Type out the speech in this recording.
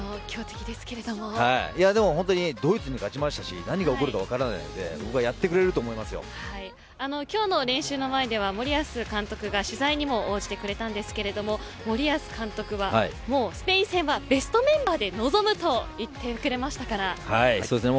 でも本当にドイツに勝ちましたし何が起こるか分からないので今日の練習の前では森保監督が取材にも応じてくれたんですけど森保監督はスペイン戦にはベストメンバーで臨むとそうですね